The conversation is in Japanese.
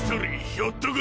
ひょっとこ？